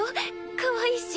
かわいいし。